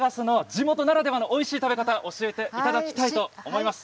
地元ならではのおいしい食べ方を教えていただきたいと思います。